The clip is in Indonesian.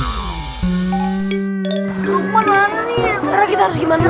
sekarang kita harus gimana